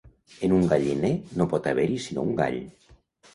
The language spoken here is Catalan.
En un galliner no pot haver-hi sinó un gall.